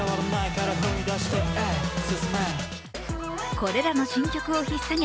これらの新曲を引っさげ